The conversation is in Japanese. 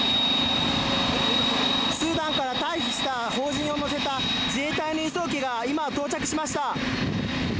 スーダンから退避した邦人を乗せた自衛隊の輸送機が今、到着しました。